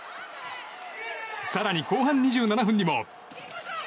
更に、後半２７分にも。